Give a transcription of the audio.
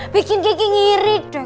bikin kiki ngirit deh